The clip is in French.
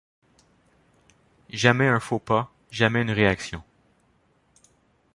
Jamais un faux pas, jamais une réaction.